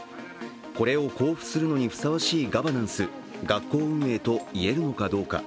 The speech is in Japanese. これを交付するのにふさわしいガバナンス、学校運営といえるのかどうか。